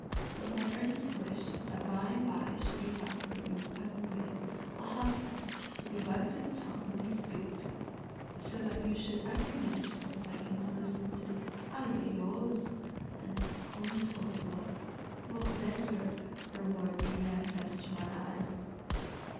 but my earnest wish is that by and by should be found for you, cousin Lin, a husband, who bites his tongue when he speaks, so that you should every minute and second listen to 'ai ya os!' O mi to fu, won't then your reward be manifest to my eyes!"